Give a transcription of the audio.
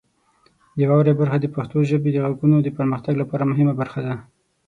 د واورئ برخه د پښتو ژبې د غږونو د پرمختګ لپاره مهمه برخه ده.